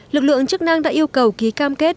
lực lượng chức năng đã yêu cầu ký cam kết